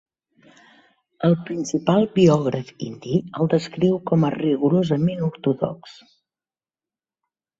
El principal biògraf indi el descriu com a rigorosament ortodox.